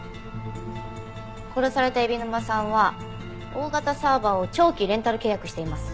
殺された海老沼さんは大型サーバーを長期レンタル契約しています。